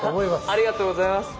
ありがとうございます。